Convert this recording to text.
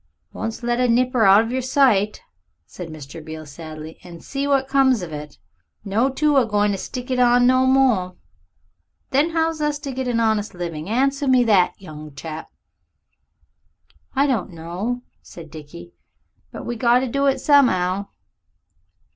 "Once let a nipper out of yer sight," said Mr. Beale sadly, "and see what comes of it! 'No. 2' a goin' to stick it on no more! Then how's us to get a honest living? Answer me that, young chap." "I don't know," said Dickie, "but we got to do it som'ow."